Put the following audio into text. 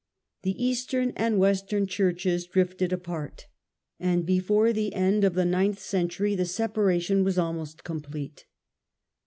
The Eastern and Western Churches drifted apart, and before the end of the ninth century the separa tion was almost complete.